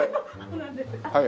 はい。